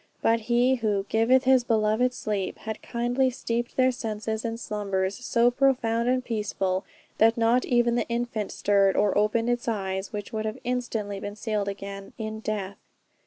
But He who "giveth his beloved sleep," had kindly steeped their senses in slumbers so profound and peaceful, that not even the infant stirred, or opened its eyes which would have instantly been sealed again, in death.